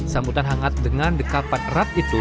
sambutan hangat dengan dekapan erat itu